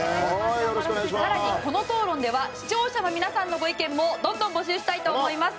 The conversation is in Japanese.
更に、この討論では視聴者の皆さんのご意見もどんどん募集したいと思います。